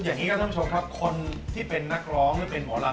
อย่างงี้ก็ต้องชมครับคนที่เป็นนักร้องหรือเป็นหมอรัม